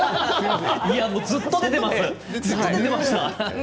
ずっと出ていました。